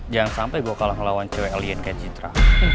jangan sampai gue kalah ngelawan cewek alien kayak jitra